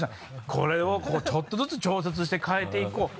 これをこうちょっとずつ調節して変えていこう。